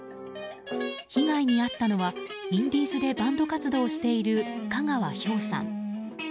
被害に遭ったのはインディーズでバンド活動をしているカガワヒョウさん。